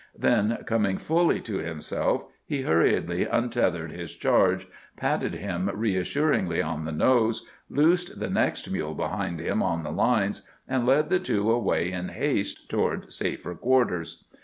Then, coming fully to himself, he hurriedly untethered his charge, patted him reassuringly on the nose, loosed the next mule behind him on the lines, and led the two away in haste toward safer quarters.